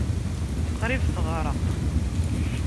Qrib teɣreq.